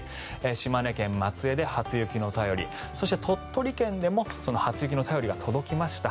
島根県松江で、初雪の便りそして鳥取県でも初雪の便りが届きました。